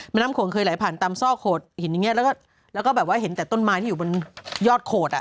น้ำโขงเคยไหลผ่านตามซอกโขดหินอย่างเงี้แล้วก็แล้วก็แบบว่าเห็นแต่ต้นไม้ที่อยู่บนยอดโขดอ่ะ